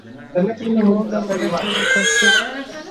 Mimi huoga mara tano kwa siku